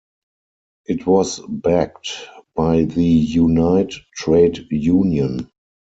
It was backed by the Unite trade union.